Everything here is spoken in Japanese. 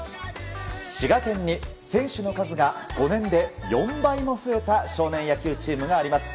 滋賀県に、選手の数が５年で４倍も増えた少年野球チームがあります。